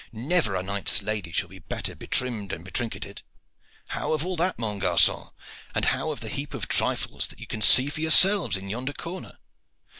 Never a knight's lady shall be better betrimmed and betrinketed. How of all that, mon garcon? And how of the heap of trifles that you can see for yourselves in yonder corner?